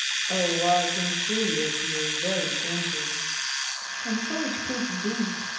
"Oh! I can truly appear very gentle." And so it proved indeed.